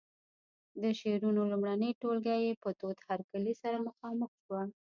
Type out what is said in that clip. د شعرونو لومړنۍ ټولګه یې په تود هرکلي سره مخامخ شوه.